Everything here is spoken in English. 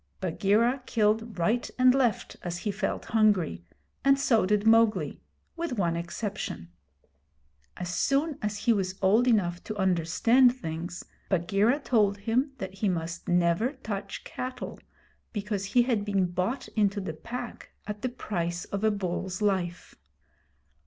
Bagheera killed right and left as he felt hungry, and so did Mowgli with one exception. As soon as he was old enough to understand things, Bagheera told him that he must never touch cattle because he had been bought into the Pack at the price of a bull's life.